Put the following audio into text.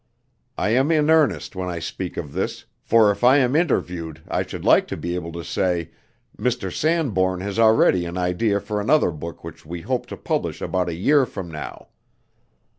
I am in earnest when I speak of this, for if I am interviewed, I should like to be able to say, 'Mr. Sanbourne has already an idea for another book which we hope to publish about a year from now.'